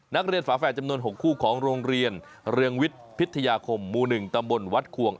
นักเรียนฝาแฝดจำนวน๖คู่ของโรงเรียนเรืองวิทยาคมมู๑ตำบลวัดควง